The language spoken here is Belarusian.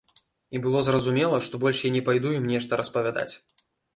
І было зразумела, што больш я не пайду ім нешта распавядаць.